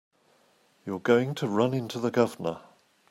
You're going to run into the Governor.